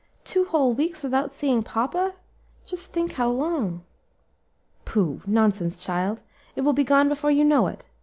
two whole weeks without seeing papa! just think how long." "Pooh! nonsense, child! it will be gone before you know it.